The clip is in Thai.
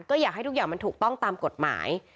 ก็อยากให้ทุกอย่างมันถูกต้องตามกฎหมาย